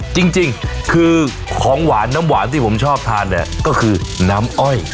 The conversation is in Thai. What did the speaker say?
จริงคือของหวานน้ำหวานที่ผมชอบทานเนี่ยก็คือน้ำอ้อย